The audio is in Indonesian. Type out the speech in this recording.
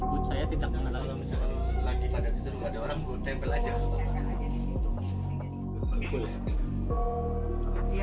dia umur saya dipahas lagi